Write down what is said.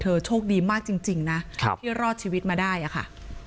เธอโชคดีมากจริงจริงนะครับเดี๋ยวรอดชีวิตมาได้อะค่ะ